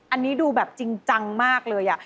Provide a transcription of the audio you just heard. อันนี้ดูแบบจริงจังมากเลย